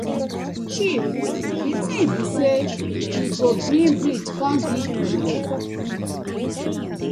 Chief di tin bi say we go bring bridge kom giv una.